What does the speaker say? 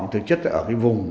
thực chất là ở cái vùng